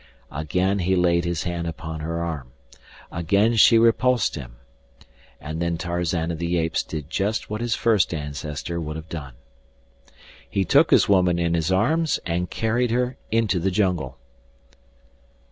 Again he laid his hand upon her arm. Again she repulsed him. And then Tarzan of the Apes did just what his first ancestor would have done. He took his woman in his arms and carried her into the jungle.